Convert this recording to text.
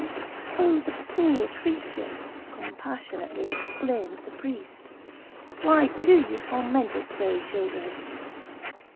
"Oh, the, poor creature!" compassionately exclaimed the priest;—"why do you torment it so, children?"